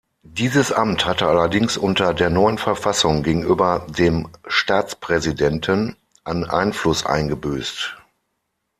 Dieses Amt hatte allerdings unter der neuen Verfassung gegenüber dem Staatspräsidenten an Einfluss eingebüßt.